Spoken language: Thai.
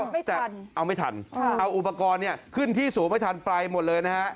ไม่ทันเอาไม่ทันเอาอุปกรณ์เนี่ยขึ้นที่สูงไม่ทันไปหมดเลยนะฮะ